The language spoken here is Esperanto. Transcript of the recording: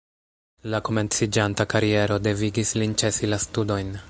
La komenciĝanta kariero devigis lin ĉesi la studojn.